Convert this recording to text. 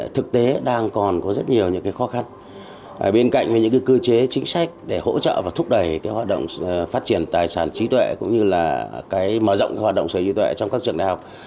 thúc đẩy hoạt động phát triển tài sản trí tuệ cũng như mở rộng hoạt động sở trí tuệ trong các trường đại học